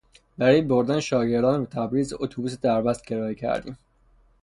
برای بردن شاگردان به تبریز اتوبوس دربست کرایه کردیم.